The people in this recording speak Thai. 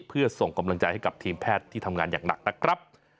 เพื่อส่งกำลังใจให้กับทีมแพทย์ที่ทำงานอย่างหนักนะครับ